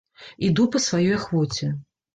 Іду па сваёй ахвоце.